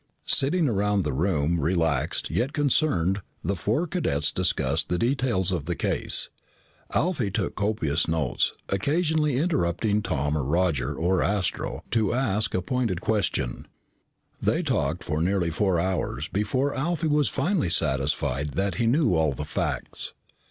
Sitting around the room, relaxed, yet concerned, the four cadets discussed the details of the case. Alfie took copious notes, occasionally interrupting Tom or Roger or Astro to ask a pointed question. They talked for nearly four hours before Alfie was finally satisfied that he knew all the facts.